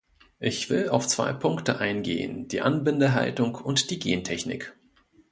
Ich will auf zwei Punkte eingehen, die Anbindehaltung und die Gentechnik.